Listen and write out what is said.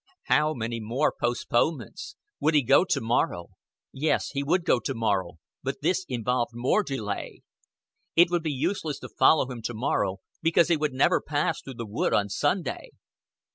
How many more postponements? Would he go to morrow? Yes, he would go to morrow; but this involved more delay. It would be useless to follow him to morrow, because he would never pass through the wood on Sunday.